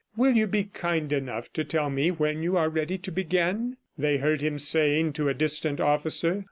"Will you be kind enough to tell me when you are ready to begin?" they heard him saying to a distant officer.